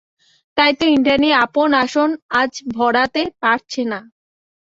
তাই তো ইন্দ্রাণী আপন আসন আজ ভরাতে পারছে না।